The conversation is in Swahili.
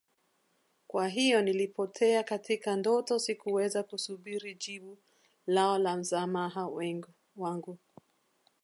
Kwa hiyo nilipotea katika ndoto sikuweza kusubiri jibu lao la msamaha wangu